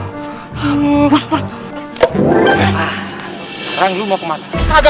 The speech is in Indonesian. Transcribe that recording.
sekarang lu mau kemana